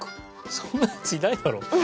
そんなヤツいないだろ。